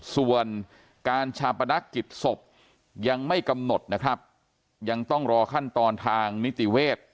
ส่วนการชาปนักกิจศพยังไม่กำหนดนะครับยังต้องรอขั้นตอนทางนิติเวทย์